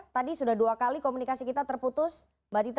tadi sudah dua kali komunikasi kita terputus mbak tita